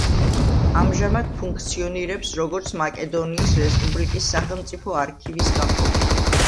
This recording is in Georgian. ამჟამად ფუნქციონირებს, როგორც მაკედონიის რესპუბლიკის სახელმწიფო არქივის განყოფილება.